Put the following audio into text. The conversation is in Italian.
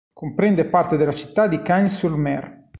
Comprende parte della città di Cagnes-sur-Mer.